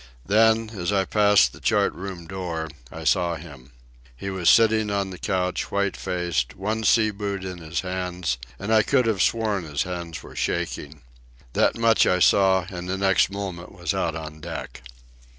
Then, as I passed the chart room door, I saw him. He was sitting on the couch, white faced, one sea boot in his hands, and I could have sworn his hands were shaking. That much I saw, and the next moment was out on deck.